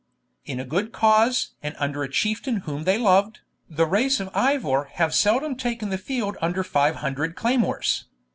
'In a good cause, and under a chieftain whom they loved, the race of Ivor have seldom taken the field under five hundred claymores.